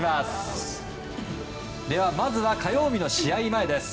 まずは火曜日の試合前です。